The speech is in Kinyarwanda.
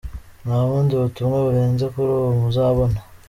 Nta bundi butumwa burenze kuri ubu muzabona.